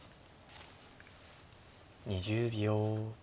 ２０秒。